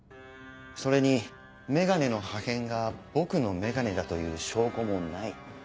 それに眼鏡の破片が僕の眼鏡だという証拠もない。